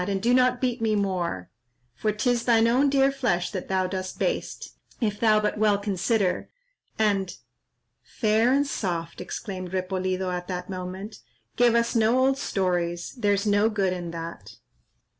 and do not beat me more, For 'tis thine own dear flesh that thou dost baste, If thou but well consider, and—" "Fair and soft," exclaimed Repolido, at that moment, "give us no old stories, there's no good in that.